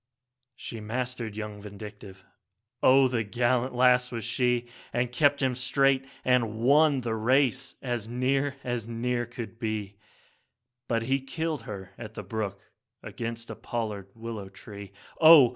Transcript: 5 She mastered young Vindictive Oh! the gallant lass was she, And kept him straight and won the race as near as near could be; But he killed her at the brook against a pollard willow tree, Oh!